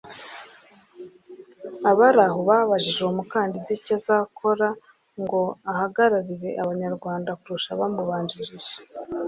Abari aho babajije uwo mukandida icyo azakora ngo ahagararire Abanyarwanda kurusha abamubanjirije